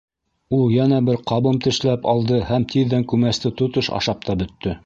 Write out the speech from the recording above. Ул йәнә бер ҡабым тешләп алды һәм тиҙҙән күмәсте тотош ашап та бөттө.